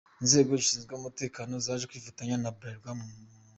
Inzego zishinzwe umutekano zaje kwifatanya na Bralirwa mu muganda.